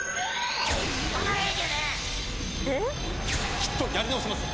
きっとやり直せます。